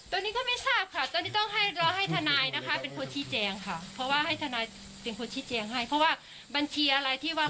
ตอนนี้ก็ไม่ทราบค่ะตอนนี้ต้องให้รอให้ทนายนะคะเป็นคนชี้แจงค่ะเพราะว่าให้ทนายเป็นคนชี้แจงให้เพราะว่าบัญชีอะไรที่ว่า